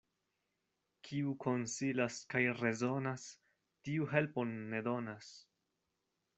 Kiu konsilas kaj rezonas, tiu helpon ne donas.